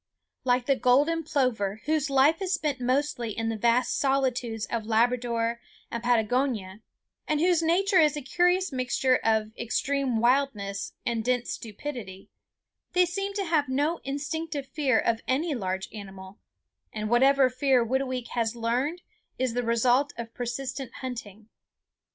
Like the golden plover, whose life is spent mostly in the vast solitudes of Labrador and Patagonia, and whose nature is a curious mixture of extreme wildness and dense stupidity, they seem to have no instinctive fear of any large animal; and whatever fear Whitooweek has learned is the result of persistent hunting.